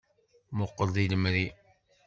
Muqel deg lemri.